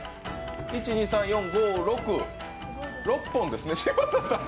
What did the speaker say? １、２、３、４、５、６６本ですね、嶋佐さん。